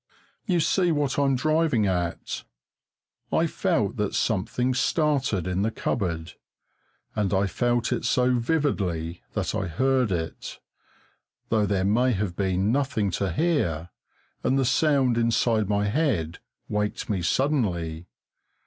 You see what I am driving at; I felt that something started in the cupboard, and I felt it so vividly that I heard it, though there may have been nothing to hear, and the sound inside my head waked me suddenly.